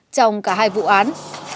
trong cả hai vụ án